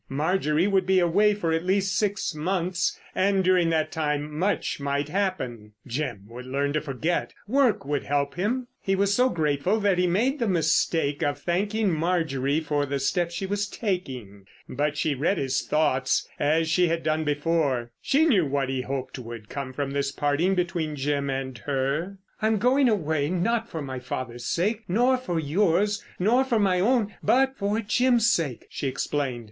Marjorie would be away for at least six months, and during that time much might happen. Jim would learn to forget; work would help him. He was so grateful that he made the mistake of thanking Marjorie for the step she was taking. But she read his thoughts as she had done before: she knew what he hoped would come from this parting between Jim and her. "I'm going away, not for my father's sake, nor for yours, nor my own, but for Jim's sake," she explained.